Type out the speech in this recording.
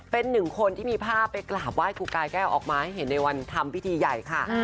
เป็นหนึ่งคนที่มีภาพไปกราบไห้ครูกายแก้วออกมาให้เห็นในวันทำพิธีใหญ่ค่ะ